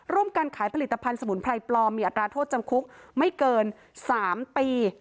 การขายผลิตภัณฑ์สมุนไพรปลอมมีอัตราโทษจำคุกไม่เกิน๓ปี